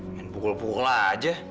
ingin pukul pukul aja